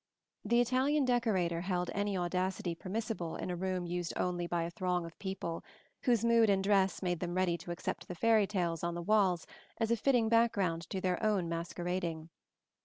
The Italian decorator held any audacity permissible in a room used only by a throng of people, whose mood and dress made them ready to accept the fairy tales on the walls as a fitting background to their own masquerading.